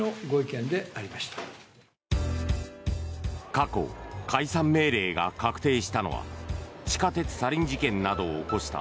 過去、解散命令が確定したのは地下鉄サリン事件などを起こした